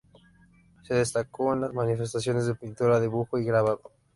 Se destacó en las manifestaciones de pintura, dibujo y grabado.